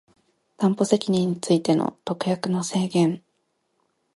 担保責任についての特約の制限